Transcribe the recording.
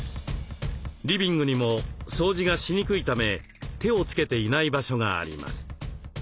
リビングにも掃除がしにくいため手をつけていない場所があります。